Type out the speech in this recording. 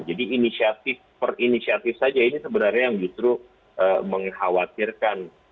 jadi inisiatif per inisiatif saja ini sebenarnya yang justru mengkhawatirkan